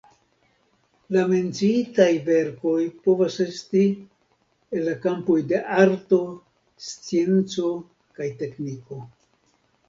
La menciitaj verkoj povas esti el la kampoj de arto, scienco kaj tekniko.